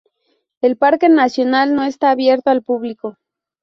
El parque nacional no está abierto al público.